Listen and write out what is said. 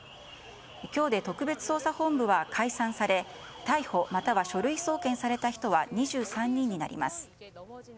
今日で特別捜査本部は解散され逮捕または書類送検された人は２３人になります。